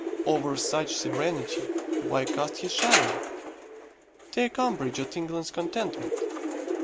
Over such serenity why cast his shadow? Take umbrage at England's contentment!